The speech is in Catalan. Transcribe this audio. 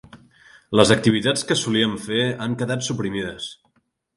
Les activitats que solíem fer han quedat suprimides.